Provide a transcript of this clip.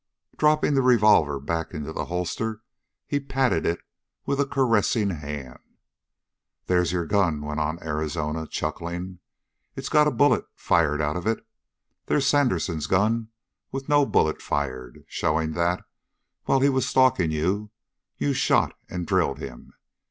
Dropping the revolver back into the holster he patted it with a caressing hand. "There's your gun," went on Arizona, chuckling. "It's got a bullet fired out of it. There's Sandersen's gun with no bullet fired, showing that, while he was stalking you, you shot and drilled him.